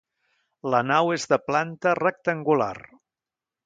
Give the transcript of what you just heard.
La nau és de planta rectangular.